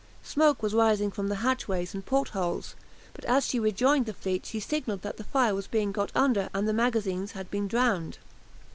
Smoke was rising from hatchways and port holes, but as she rejoined the fleet she signalled that the fire was being got under and the magazines had been drowned.